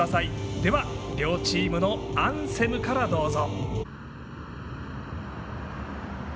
では、両チームのアンセムからどうぞ。